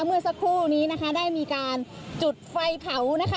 เมื่อสักครู่นี้นะคะได้มีการจุดไฟเผานะคะ